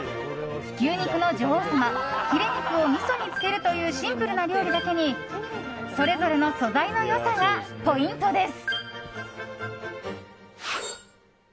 牛肉の女王様、ヒレ肉をみそに漬けるというシンプルな料理だけにそれぞれの素材の良さがポイントです。